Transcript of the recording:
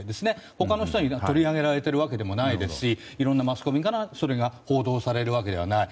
ほかの人に取り上げられているわけでもないしマスコミから報道されるわけでもない。